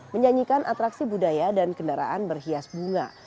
menyanyikan atraksi budaya dan kendaraan berhias bunga